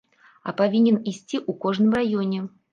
А павінен ісці ў кожным раёне.